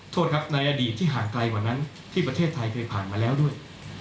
โทษครับในอดีตที่ห่างไกลกว่านั้นที่ประเทศไทยเคยผ่านมาแล้วด้วย